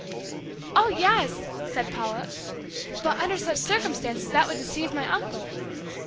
"Oh, yes," said Paula, "but under such circumstances that would deceive my uncle."